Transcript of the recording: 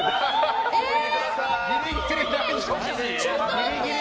ギリギリ。